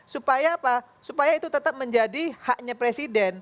supaya apa supaya itu tetap menjadi haknya presiden